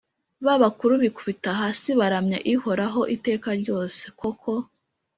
Ba bakuru bikubita hasi baramya Ihoraho iteka ryose!koko,